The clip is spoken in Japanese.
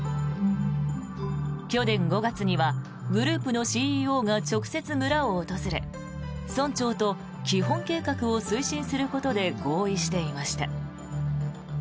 去年５月にはグループのＣＥＯが直接村を訪れ村長と基本計画を推進することで合意していました。